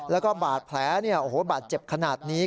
แล้วก็บาดแผลบาดเจ็บขนาดนี้